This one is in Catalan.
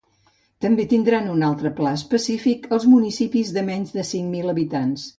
També tindran un altre pla específic els municipis de menys de cinc mil habitants.